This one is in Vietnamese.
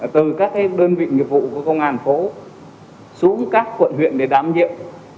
từ các đơn vị nghiệp vụ của công an tp hcm xuống các quận huyện để đám nhiệm